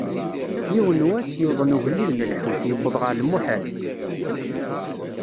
Yiwen n wass, yuḍen ugellid n lḥut, yewweḍ γer lmuḥal.